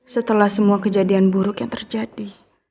setelah semua kejadian buruk yang terjadi